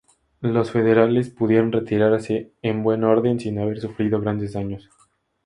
Los federales pudieron retirarse en buen orden sin haber sufrido grandes daños.